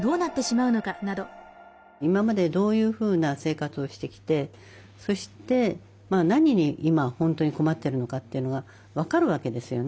今までどういうふうな生活をしてきてそして何に今本当に困ってるのかというのが分かるわけですよね。